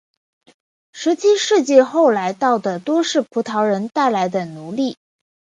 十七世纪后来到的多是葡萄牙人带来的奴隶。